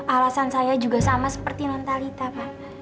alasan saya juga sama seperti nanta lita pak